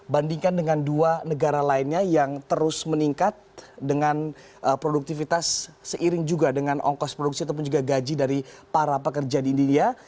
bandingkan dengan dua negara lainnya yang terus meningkat dengan produktivitas seiring juga dengan ongkos produksi ataupun juga gaji dari para pekerja di india